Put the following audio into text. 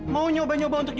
w guy jangan